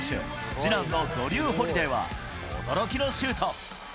次男のドリュー・ホリデーは驚きのシュート。